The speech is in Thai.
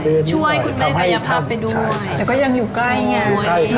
แต่ก็ยังอยู่ใกล้มีอะไรก็จะได้แบบดูแลได้